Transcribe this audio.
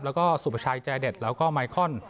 แล้วก็สุภาชัยใจเด็ดแล้วก็ไมคอน